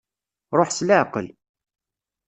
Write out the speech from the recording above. Ṛuḥ s leɛqel.